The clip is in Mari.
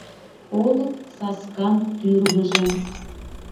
Олык саскан тӱрвыжым